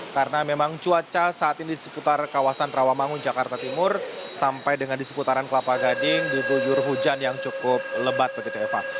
karena memang cuaca saat ini di seputar kawasan rawa mangun jakarta timur sampai dengan di seputaran kelapa gading diguyur hujan yang cukup lebat begitu eva